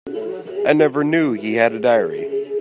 I never knew he had a diary.